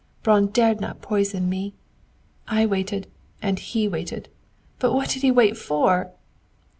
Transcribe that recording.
Braun dared not poison me! I waited, and he waited. What did he wait for?"